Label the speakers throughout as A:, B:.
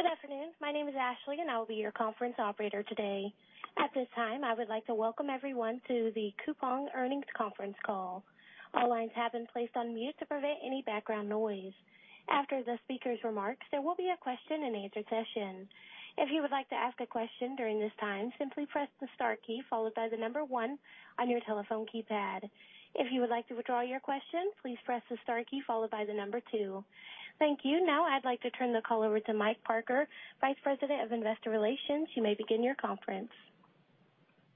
A: Good afternoon. My name is Ashley, and I will be your conference operator today. At this time, I would like to welcome everyone to the Coupang Earnings Conference Call. All lines have been placed on mute to prevent any background noise. After the speaker's remarks, there will be a question-and-answer session. If you would like to ask a question during this time, simply press the star key followed by the number one on your telephone keypad. If you would like to withdraw your question, please press the star key followed by the number two. Thank you. Now I'd like to turn the call over to Mike Parker, Vice President of Investor Relations. You may begin your conference.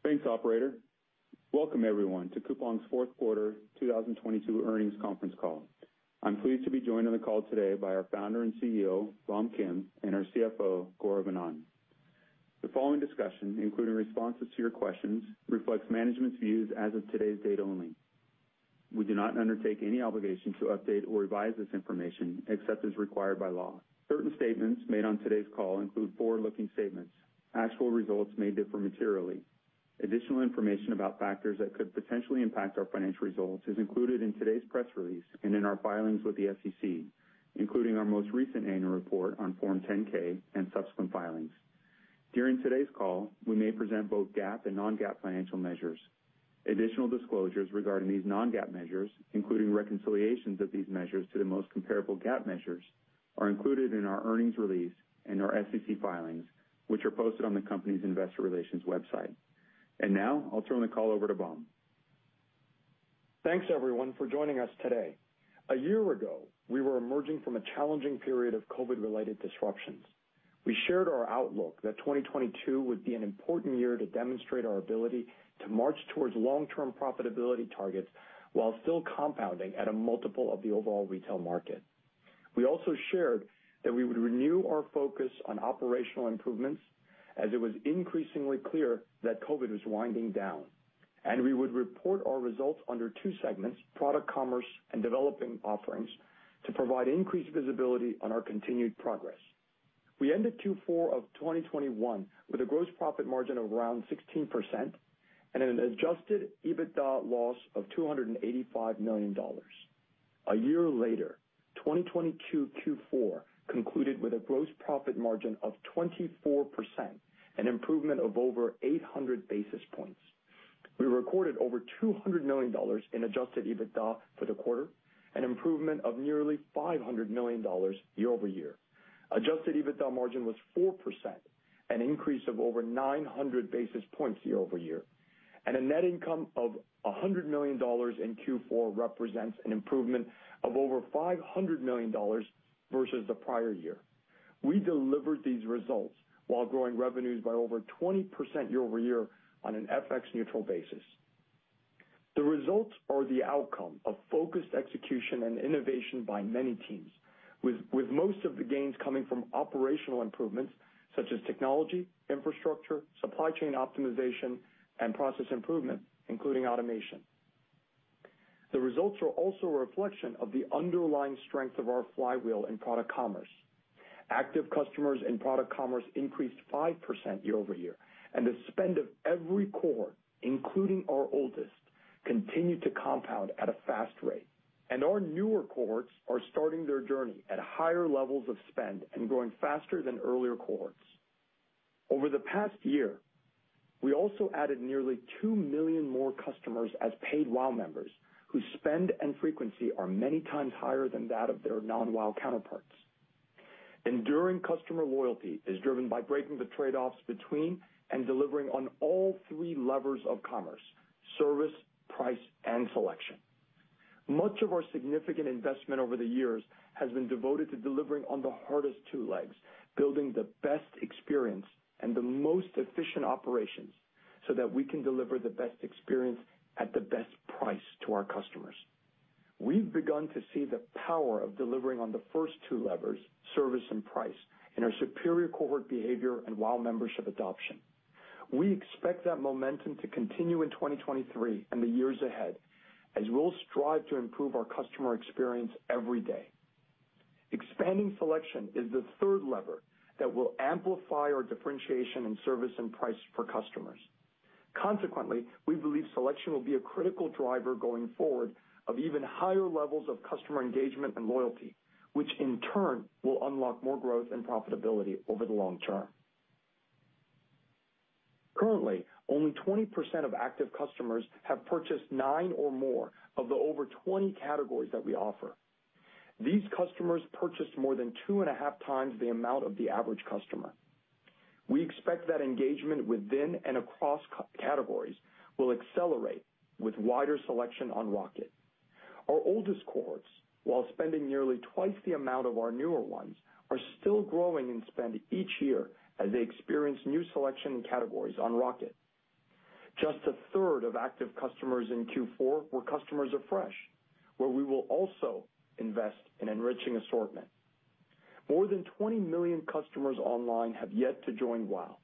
B: Thanks, operator. Welcome everyone to Coupang's fourth quarter 2022 earnings conference call. I'm pleased to be joined on the call today by our founder and CEO, Bom Kim, and our CFO, Gaurav Anand. The following discussion, including responses to your questions, reflects management's views as of today's date only. We do not undertake any obligation to update or revise this information except as required by law. Certain statements made on today's call include forward-looking statements. Actual results may differ materially. Additional information about factors that could potentially impact our financial results is included in today's press release and in our filings with the SEC, including our most recent annual report on Form 10-K and subsequent filings. During today's call, we may present both GAAP and non-GAAP financial measures. Additional disclosures regarding these non-GAAP measures, including reconciliations of these measures to the most comparable GAAP measures, are included in our earnings release and our SEC filings, which are posted on the company's investor relations website. Now I'll turn the call over to Bom.
C: Thanks, everyone, for joining us today. A year ago, we were emerging from a challenging period of COVID-related disruptions. We shared our outlook that 2022 would be an important year to demonstrate our ability to march towards long-term profitability targets while still compounding at a multiple of the overall retail market. We also shared that we would renew our focus on operational improvements as it was increasingly clear that COVID was winding down, and we would report our results under two segments, product commerce and developing offerings to provide increased visibility on our continued progress. We ended Q4 of 2021 with a gross profit margin of around 16% and an adjusted EBITDA loss of $285 million. A year later, 2022 Q4 concluded with a gross profit margin of 24%, an improvement of over 800 basis points. We recorded over $200 million in adjusted EBITDA for the quarter, an improvement of nearly $500 million year-over-year. Adjusted EBITDA margin was 4%, an increase of over 900 basis points year-over-year. A net income of $100 million in Q4 represents an improvement of over $500 million versus the prior year. We delivered these results while growing revenues by over 20% year-over-year on an FX neutral basis. The results are the outcome of focused execution and innovation by many teams with most of the gains coming from operational improvements such as technology, infrastructure, supply chain optimization and process improvement, including automation. The results are also a reflection of the underlying strength of our flywheel in product commerce. Active customers in product commerce increased 5% year-over-year, and the spend of every cohort, including our oldest, continued to compound at a fast rate. Our newer cohorts are starting their journey at higher levels of spend and growing faster than earlier cohorts. Over the past year, we also added nearly 2 million more customers as paid WOW members whose spend and frequency are many times higher than that of their non-WOW counterparts. Enduring customer loyalty is driven by breaking the trade-offs between and delivering on all three levers of commerce: service, price, and selection. Much of our significant investment over the years has been devoted to delivering on the hardest two legs, building the best experience and the most efficient operations so that we can deliver the best experience at the best price to our customers. We've begun to see the power of delivering on the first two levers, service and price, in our superior cohort behavior and WOW membership adoption. We expect that momentum to continue in 2023 and the years ahead as we'll strive to improve our customer experience every day. Expanding selection is the third lever that will amplify our differentiation in service and price for customers. Consequently, we believe selection will be a critical driver going forward of even higher levels of customer engagement and loyalty, which in turn will unlock more growth and profitability over the long term. Currently, only 20% of active customers have purchased nine or more of the over 20 categories that we offer. These customers purchased more than 2.5 times the amount of the average customer. We expect that engagement within and across categories will accelerate with wider selection on Rocket. Our oldest cohorts, while spending nearly twice the amount of our newer ones, are still growing in spend each year as they experience new selection and categories on Rocket. Just a third of active customers in Q4 were customers of Fresh, where we will also invest in enriching assortment. More than 20 million customers online have yet to join WOW,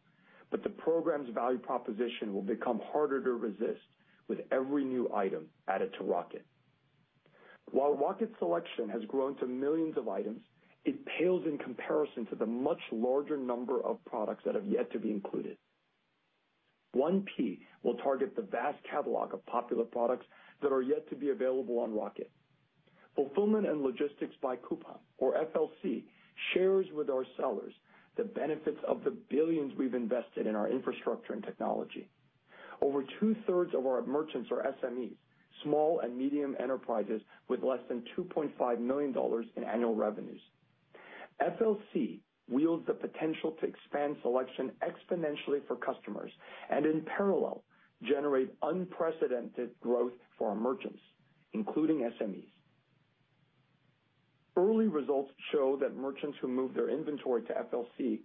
C: but the program's value proposition will become harder to resist with every new item added to Rocket. While Rocket selection has grown to millions of items, it pales in comparison to the much larger number of products that have yet to be included. 1P will target the vast catalog of popular products that are yet to be available on Rocket. Fulfillment and logistics by Coupang or FLC shares with our sellers the benefits of the billions we've invested in our infrastructure and technology. Over 2/3 of our merchants are SMEs, small and medium enterprises with less than $2.5 million in annual revenues. FLC wields the potential to expand selection exponentially for customers and in parallel, generate unprecedented growth for our merchants, including SMEs. Early results show that merchants who move their inventory to FLC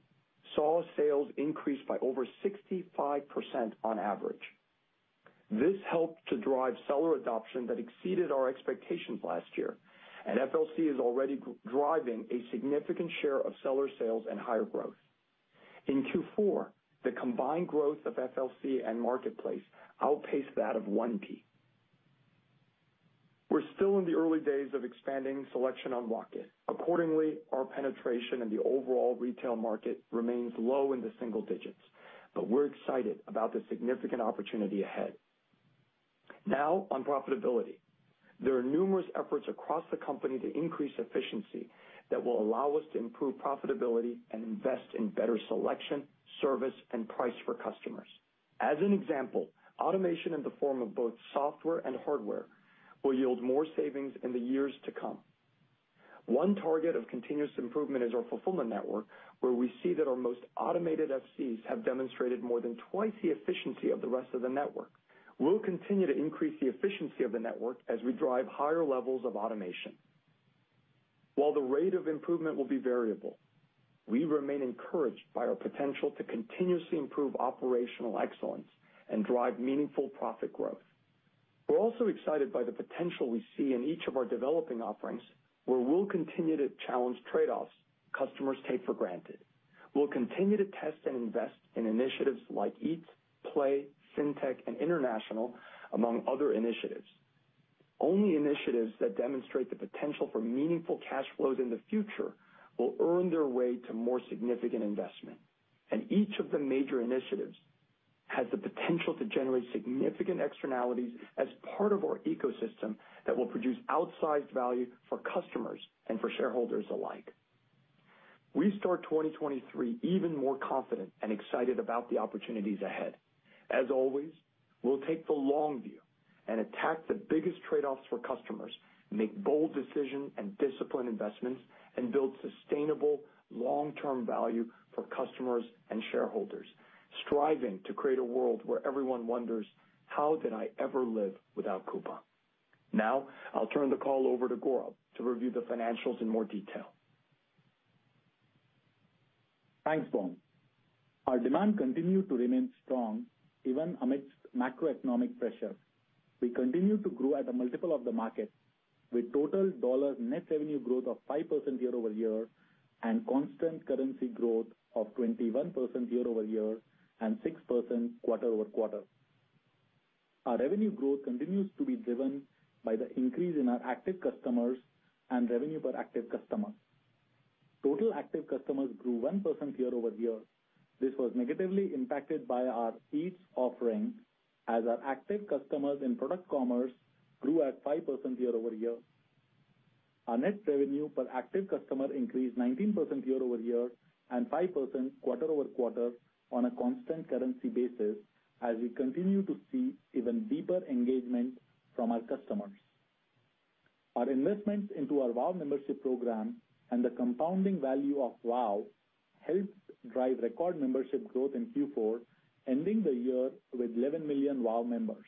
C: saw sales increase by over 65% on average. This helped to drive seller adoption that exceeded our expectations last year. FLC is already driving a significant share of seller sales and higher growth. In Q4, the combined growth of FLC and Marketplace outpaced that of 1P. We're still in the early days of expanding selection on Rocket. Accordingly, our penetration in the overall retail market remains low in the single digits. We're excited about the significant opportunity ahead. Now on profitability. There are numerous efforts across the company to increase efficiency that will allow us to improve profitability and invest in better selection, service, and price for customers. As an example, automation in the form of both software and hardware will yield more savings in the years to come. One target of continuous improvement is our fulfillment network, where we see that our most automated FCs have demonstrated more than twice the efficiency of the rest of the network. We'll continue to increase the efficiency of the network as we drive higher levels of automation. While the rate of improvement will be variable, we remain encouraged by our potential to continuously improve operational excellence and drive meaningful profit growth. We're also excited by the potential we see in each of our developing offerings, where we'll continue to challenge trade-offs customers take for granted. We'll continue to test and invest in initiatives like Eats, Play, Fintech, and International, among other initiatives. Only initiatives that demonstrate the potential for meaningful cash flows in the future will earn their way to more significant investment. Each of the major initiatives has the potential to generate significant externalities as part of our ecosystem that will produce outsized value for customers and for shareholders alike. We start 2023 even more confident and excited about the opportunities ahead. As always, we'll take the long view and attack the biggest trade-offs for customers, make bold decision and disciplined investments, and build sustainable long-term value for customers and shareholders, striving to create a world where everyone wonders, "How did I ever live without Coupang?" Now I'll turn the call over to Gaurav to review the financials in more detail.
D: Thanks, Bom. Our demand continued to remain strong even amidst macroeconomic pressure. We continue to grow at a multiple of the market with total dollar net revenue growth of 5% year-over-year and constant currency growth of 21% year-over-year and 6% quarter-over-quarter. Our revenue growth continues to be driven by the increase in our active customers and revenue per active customer. Total active customers grew 1% year-over-year. This was negatively impacted by our Eats offering as our active customers in product commerce grew at 5% year-over-year. Our net revenue per active customer increased 19% year-over-year and 5% quarter-over-quarter on a constant currency basis as we continue to see even deeper engagement from our customers. Our investments into our WOW membership program and the compounding value of WOW helped drive record membership growth in Q4, ending the year with 11 million WOW members.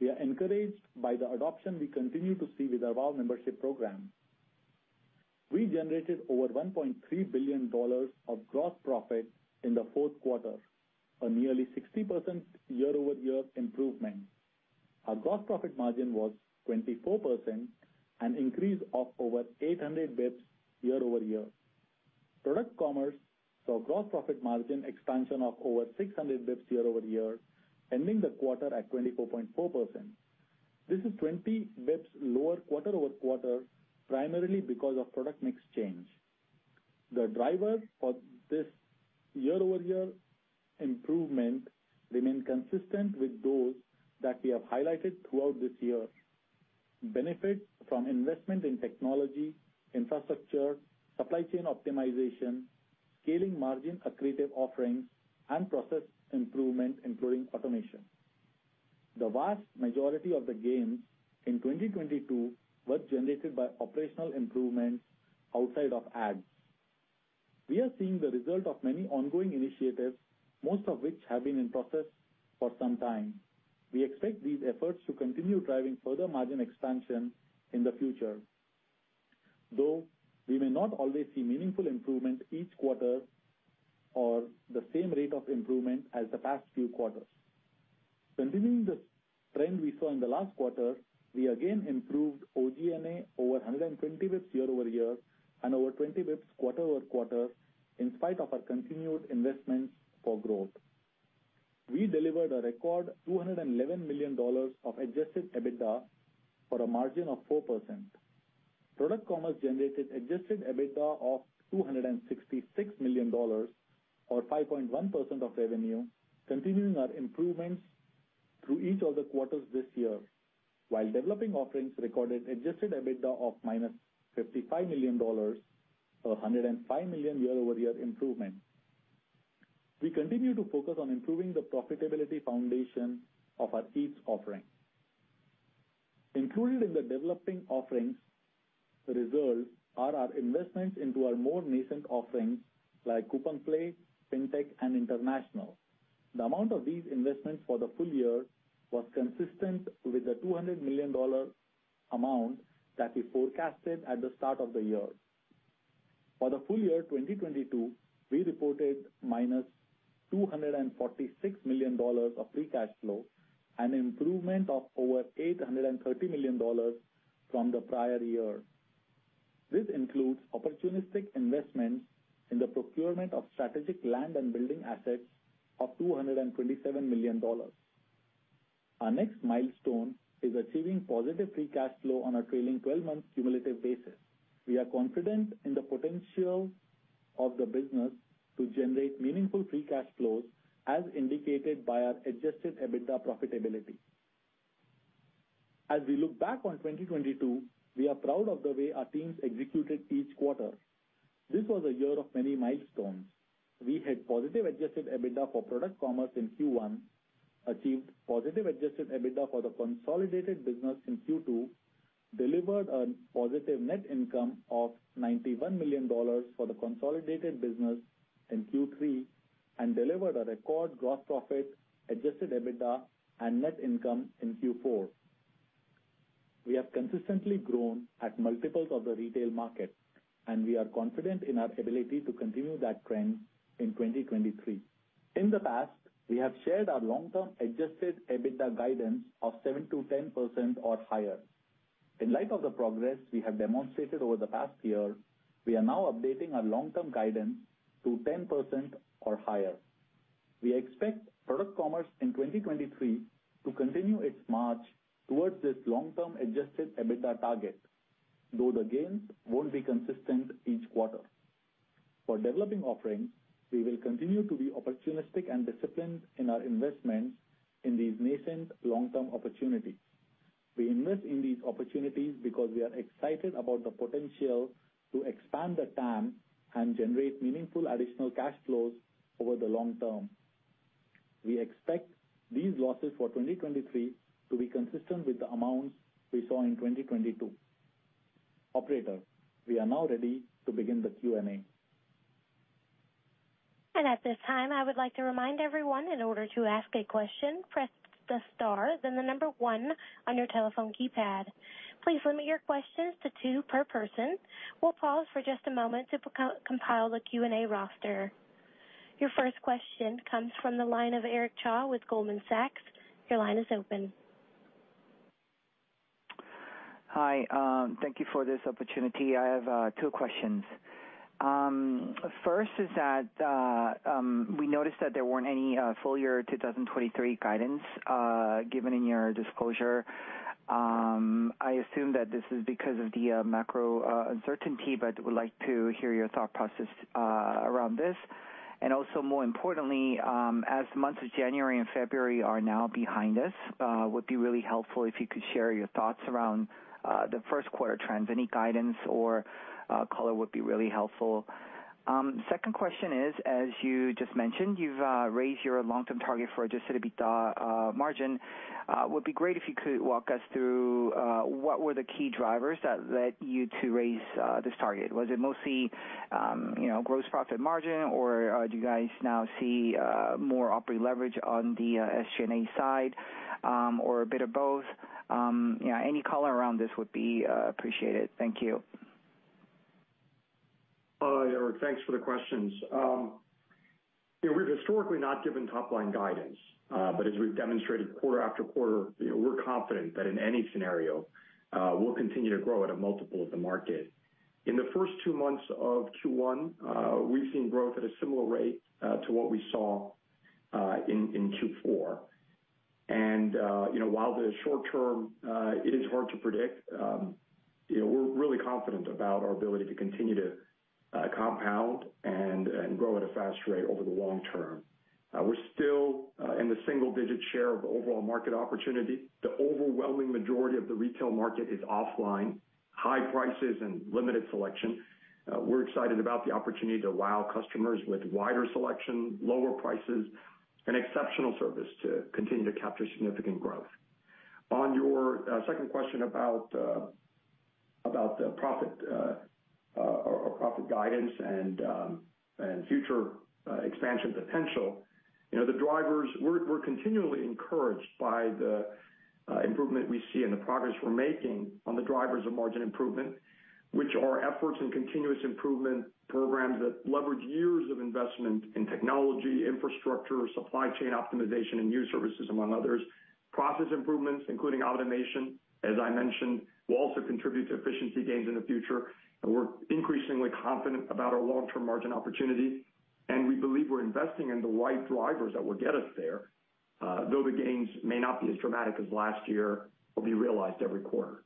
D: We are encouraged by the adoption we continue to see with our WOW membership program. We generated over $1.3 billion of gross profit in the fourth quarter, a nearly 60% year-over-year improvement. Our gross profit margin was 24%, an increase of over 800 basis points year-over-year. Product commerce saw gross profit margin expansion of over 600 basis points year-over-year, ending the quarter at 24.4%. This is 20 basis points lower quarter-over-quarter, primarily because of product mix change. The drivers for this year-over-year improvement remain consistent with those that we have highlighted throughout this year: benefit from investment in technology, infrastructure, supply chain optimization, scaling margin accretive offerings, and process improvement, including automation. The vast majority of the gains in 2022 were generated by operational improvements outside of ads. We are seeing the result of many ongoing initiatives, most of which have been in process for some time. We expect these efforts to continue driving further margin expansion in the future, though we may not always see meaningful improvement each quarter or the same rate of improvement as the past few quarters. Continuing the trend we saw in the last quarter, we again improved OG&A over 120 bps year-over-year and over 20 bps quarter-over-quarter in spite of our continued investments for growth. We delivered a record $211 million of adjusted EBITDA for a margin of 4%. Product commerce generated adjusted EBITDA of $266 million or 5.1% of revenue, continuing our improvements through each of the quarters this year. While developing offerings recorded adjusted EBITDA of -$55 million or a $105 million year-over-year improvement. We continue to focus on improving the profitability foundation of our each offering. Included in the developing offerings results are our investments into our more nascent offerings like Coupang Play, Fintech, and International. The amount of these investments for the full year was consistent with the $200 million amount that we forecasted at the start of the year. For the full year 2022, we reported -$246 million of free cash flow, an improvement of over $830 million from the prior year. This includes opportunistic investments in the procurement of strategic land and building assets of $227 million. Our next milestone is achieving positive free cash flow on a trailing 12-month cumulative basis. We are confident in the potential of the business to generate meaningful free cash flows as indicated by our adjusted EBITDA profitability. We look back on 2022, we are proud of the way our teams executed each quarter. This was a year of many milestones. We had positive adjusted EBITDA for product commerce in Q1, achieved positive adjusted EBITDA for the consolidated business in Q2, delivered a positive net income of $91 million for the consolidated business in Q3, delivered a record gross profit, adjusted EBITDA, and net income in Q4. We have consistently grown at multiples of the retail market. We are confident in our ability to continue that trend in 2023. In the past, we have shared our long-term adjusted EBITDA guidance of 7%-10% or higher. In light of the progress we have demonstrated over the past year, we are now updating our long-term guidance to 10% or higher. We expect product commerce in 2023 to continue its march towards this long-term adjusted EBITDA target, though the gains won't be consistent each quarter. For developing offerings, we will continue to be opportunistic and disciplined in our investments in these nascent long-term opportunities. We invest in these opportunities because we are excited about the potential to expand the TAM and generate meaningful additional cash flows over the long term. We expect these losses for 2023 to be consistent with the amounts we saw in 2022. Operator, we are now ready to begin the Q&A.
A: At this time, I would like to remind everyone, in order to ask a question, press the star then the number 1 on your telephone keypad. Please limit your questions to 2 per person. We'll pause for just a moment to co-compile the Q&A roster. Your first question comes from the line of Eric Cha with Goldman Sachs. Your line is open.
E: Hi, thank you for this opportunity. I have 2 questions. First is that we noticed that there weren't any full year 2023 guidance given in your disclosure. I assume that this is because of the macro uncertainty, but would like to hear your thought process around this. Also more importantly, as months of January and February are now behind us, would be really helpful if you could share your thoughts around the 1st quarter trends. Any guidance or color would be really helpful. 2nd question is, as you just mentioned, you've raised your long-term target for adjusted EBITDA margin. Would be great if you could walk us through what were the key drivers that led you to raise this target. Was it mostly, you know, gross profit margin, or do you guys now see more operating leverage on the SG&A side, or a bit of both? Yeah, any color around this would be appreciated. Thank you.
C: Hi, Eric. Thanks for the questions. Yeah, we've historically not given top-line guidance, but as we've demonstrated quarter after quarter, you know, we're confident that in any scenario, we'll continue to grow at a multiple of the market. In the first two months of Q1, we've seen growth at a similar rate to what we saw in Q4. You know, while the short term, it is hard to predict, you know, we're really confident about our ability to continue to compound and grow at a fast rate over the long term. We're still in the single-digit share of overall market opportunity. The overwhelming majority of the retail market is offline, high prices and limited selection. We're excited about the opportunity to wow customers with wider selection, lower prices, and exceptional service to continue to capture significant growth. On your second question about the profit or profit guidance and future expansion potential. You know, we're continually encouraged by the improvement we see and the progress we're making on the drivers of margin improvement, which are efforts in continuous improvement programs that leverage years of investment in technology, infrastructure, supply chain optimization, and new services, among others. Process improvements, including automation, as I mentioned, will also contribute to efficiency gains in the future. We're increasingly confident about our long-term margin opportunity, and we believe we're investing in the right drivers that will get us there. Though the gains may not be as dramatic as last year, will be realized every quarter.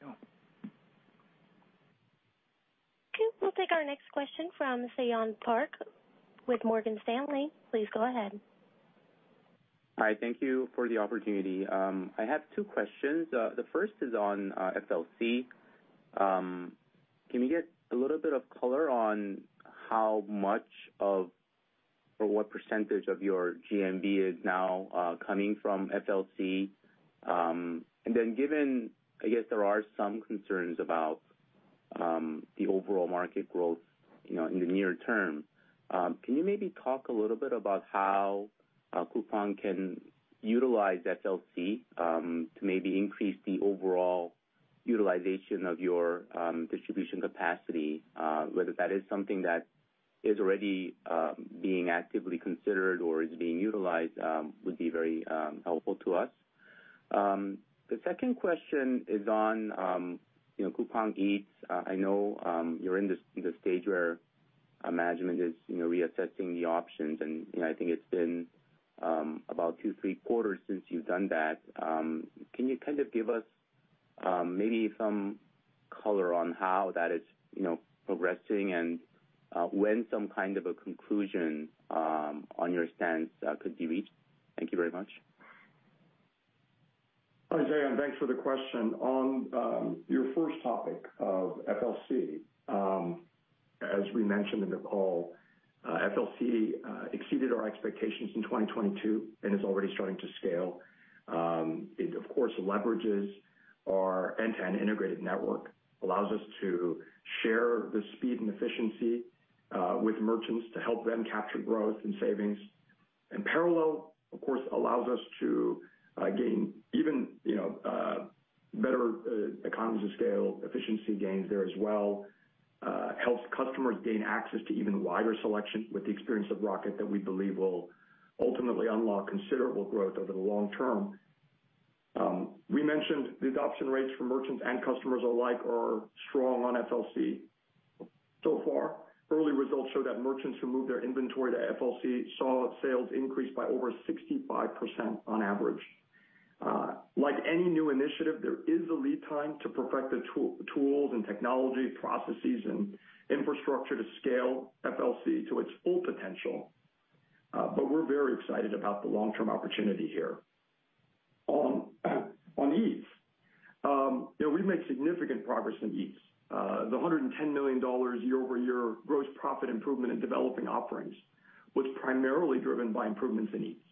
C: Operator.
A: Okay. We'll take our next question from Seyon Park with Morgan Stanley. Please go ahead.
F: Hi. Thank you for the opportunity. I have two questions. The first is on FLC. Can we get a little bit of color on how much of or what % of your GMV is now coming from FLC? Given, I guess there are some concerns about the overall market growth, you know, in the near term, can you maybe talk a little bit about how Coupang can utilize FLC to maybe increase the overall utilization of your distribution capacity? Whether that is something that is already being actively considered or is being utilized, would be very helpful to us. The second question is on, you know, Coupang Eats. I know, you're in the stage where management is, you know, reassessing the options and, you know, I think it's been, about two, three quarters since you've done that. Can you kind of give us, maybe some color on how that is, you know, progressing and, when some kind of a conclusion, on your stance, could be reached? Thank you very much.
C: Hi, Seyon. Thanks for the question. On your first topic of FLC, as we mentioned in the call, FLC exceeded our expectations in 2022 and is already starting to scale. It of course leverages our end-to-end integrated network, allows us to share the speed and efficiency with merchants to help them capture growth and savings. In parallel, of course, allows us to gain even, you know, better economies of scale, efficiency gains there as well. Helps customers gain access to even wider selection with the experience of Rocket that we believe will ultimately unlock considerable growth over the long term. We mentioned the adoption rates for merchants and customers alike are strong on FLC. So far, early results show that merchants who move their inventory to FLC saw sales increase by over 65% on average. Like any new initiative, there is a lead time to perfect the tool, tools and technology processes and infrastructure to scale FLC to its full potential. We're very excited about the long-term opportunity here. On Eats. You know, we've made significant progress in Eats. The $110 million year-over-year gross profit improvement in developing offerings was primarily driven by improvements in Eats.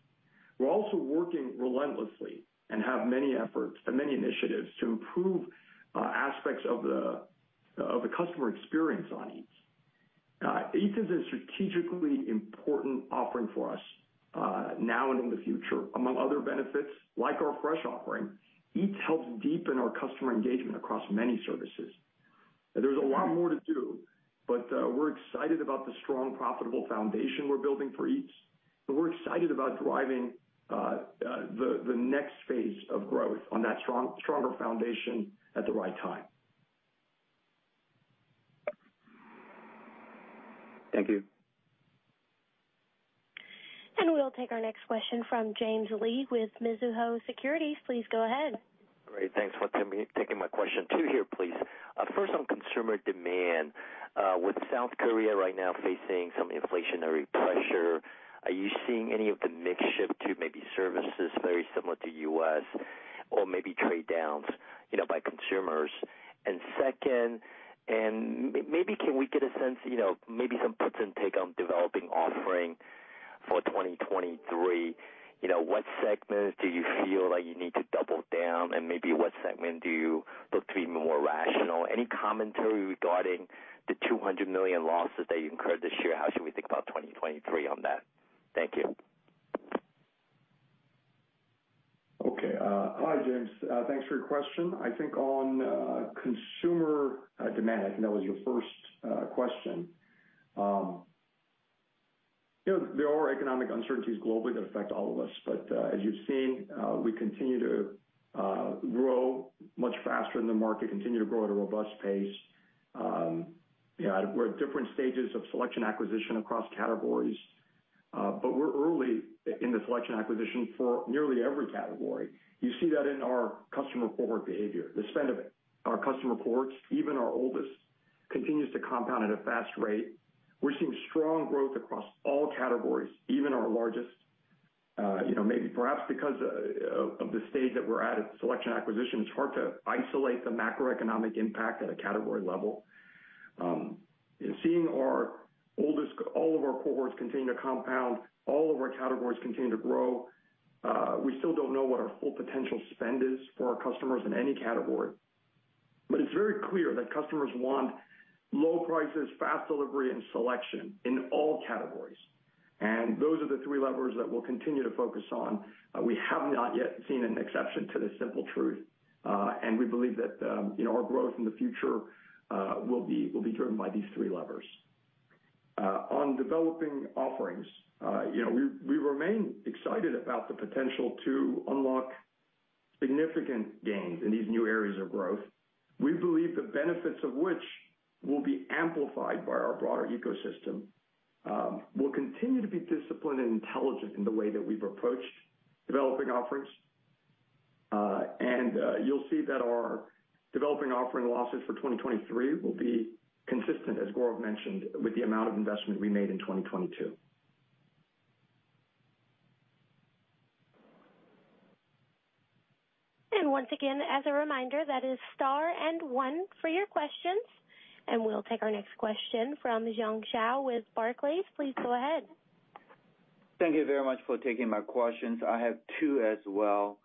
C: We're also working relentlessly and have many efforts and many initiatives to improve aspects of the customer experience on Eats. Eats is a strategically important offering for us now and in the future. Among other benefits, like our Fresh offering, Eats helps deepen our customer engagement across many services. There's a lot more to do, but we're excited about the strong, profitable foundation we're building for Eats, but we're excited about driving the next phase of growth on that stronger foundation at the right time.
F: Thank you.
A: We'll take our next question from James Lee with Mizuho Securities. Please go ahead.
G: Great. Thanks for taking my question. Two here, please. First on consumer demand. With South Korea right now facing some inflationary pressure, are you seeing any of the mix shift to maybe services very similar to U.S. or maybe trade downs, you know, by consumers? Second, maybe can we get a sense, you know, maybe some puts and take on developing offering for 2023. You know, what segments do you feel like you need to double down? Maybe what segment do you look to be more rational? Any commentary regarding the $200 million losses that you incurred this year, how should we think about 2023 on that? Thank you.
C: Okay. Hi, James. Thanks for your question. I think on consumer demand, I think that was your first question. You know, there are economic uncertainties globally that affect all of us. As you've seen, we continue to grow much faster than the market, continue to grow at a robust pace. You know, we're at different stages of selection acquisition across categories. We're early in the selection acquisition for nearly every category. You see that in our customer cohort behavior. The spend of our customer cohorts, even our oldest, continues to compound at a fast rate. We're seeing strong growth across all categories, even our largest. You know, maybe perhaps because of the stage that we're at of selection acquisition, it's hard to isolate the macroeconomic impact at a category level. In seeing all of our cohorts continue to compound, all of our categories continue to grow, we still don't know what our full potential spend is for our customers in any category. It's very clear that customers want low prices, fast delivery, and selection in all categories. Those are the three levers that we'll continue to focus on. We have not yet seen an exception to this simple truth. We believe that, you know, our growth in the future, will be driven by these three levers. On developing offerings, you know, we remain excited about the potential to unlock significant gains in these new areas of growth. We believe the benefits of which will be amplified by our broader ecosystem, will continue to be disciplined and intelligent in the way that we've approached developing offerings. You'll see that our developing offering losses for 2023 will be consistent, as Gaurav mentioned, with the amount of investment we made in 2022.
A: Once again, as a reminder, that is star 1 for your questions. We'll take our next question from Jiong Shao with Barclays. Please go ahead.
H: Thank you very much for taking my questions. I have two as well.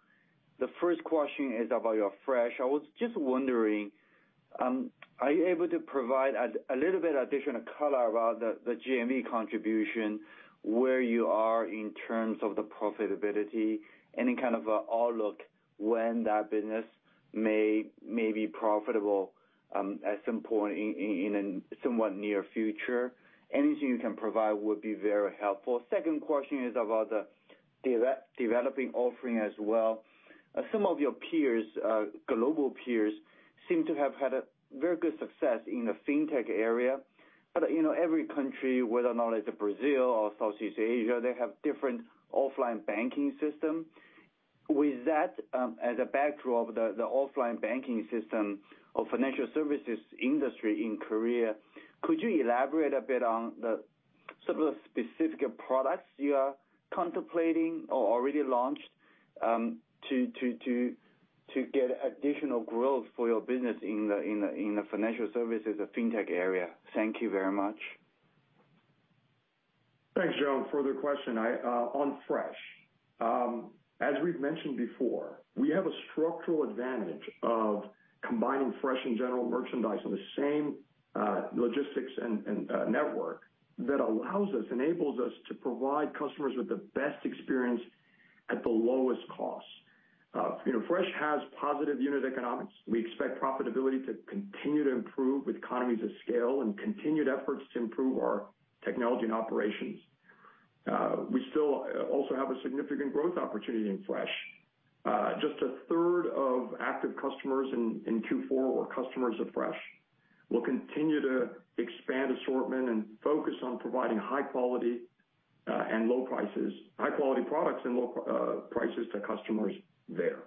H: The first question is about your Fresh. I was just wondering, are you able to provide a little bit additional color about the GMV contribution, where you are in terms of the profitability, any kind of outlook when that business may be profitable at some point in a somewhat near future? Anything you can provide would be very helpful. Second question is about the developing offering as well. Some of your peers, global peers seem to have had a very good success in the Fintech area, but, you know, every country, whether or not it's Brazil or Southeast Asia, they have different offline banking system. With that, as a backdrop, the offline banking system or financial services industry in Korea, could you elaborate a bit on the sort of the specific products you are contemplating or already launched, to get additional growth for your business in the financial services or Fintech area? Thank you very much.
C: Thanks, Jiong, for the question. I, on Fresh, as we've mentioned before, we have a structural advantage of combining Fresh and general merchandise on the same logistics and network that allows us, enables us to provide customers with the best experience at the lowest cost. You know, Fresh has positive unit economics. We expect profitability to continue to improve with economies of scale and continued efforts to improve our technology and operations. We still also have a significant growth opportunity in Fresh. Just 1/3 of active customers in Q4 were customers of Fresh. We'll continue to expand assortment and focus on providing high quality products and low prices to customers there.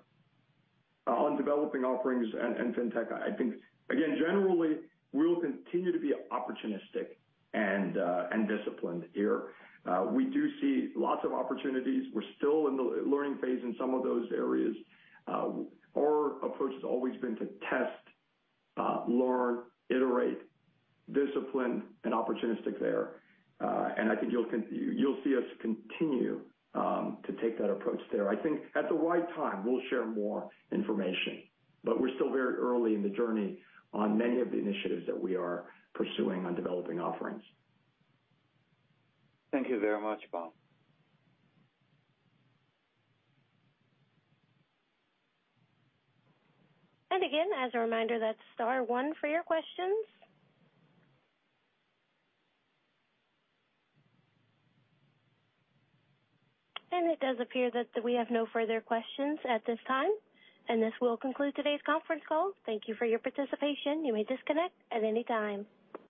C: On developing offerings and Fintech, I think, again, generally, we'll continue to be opportunistic and disciplined here. We do see lots of opportunities. We're still in the learning phase in some of those areas. Our approach has always been to test, learn, iterate, discipline, and opportunistic there. I think you'll see us continue to take that approach there. I think at the right time, we'll share more information, but we're still very early in the journey on many of the initiatives that we are pursuing on developing offerings.
H: Thank you very much, Bom.
A: Again, as a reminder, that's star one for your questions. It does appear that we have no further questions at this time, and this will conclude today's conference call. Thank you for your participation. You may disconnect at any time.